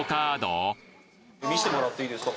見せてもらっていいですか？